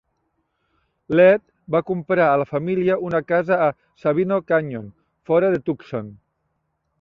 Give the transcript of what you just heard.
L'Ed va comprar a la família una casa a Sabino Canyon, fora de Tucson.